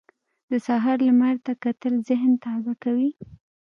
د سهار لمر ته کتل ذهن تازه کوي.